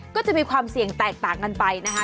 ก็จะมีความเสี่ยงแตกต่างกันไปนะคะ